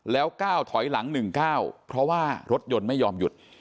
แล้วก้าวถอยหลัง๑๙เพราะว่ารถยนต์ไม่ยอมหยุด